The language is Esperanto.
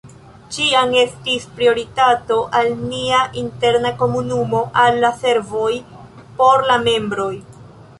Ĉiam estis prioritato al nia interna komunumo, al la servoj por la membroj.